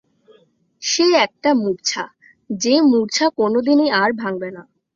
সে একটা মূর্ছা, যে মূর্ছা কোনোদিনই আর ভাঙবে না।